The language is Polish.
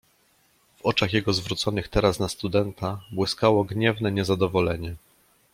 "W oczach jego zwróconych teraz na studenta błyskało gniewne niezadowolenie."